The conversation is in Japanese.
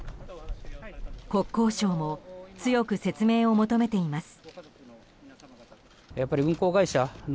国交省も強く説明を求めています。